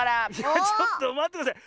ちょっとまってください。